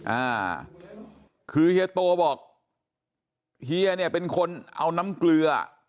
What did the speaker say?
อ่าคือเฮียโตบอกเฮียเนี่ยเป็นคนเอาน้ำเกลือ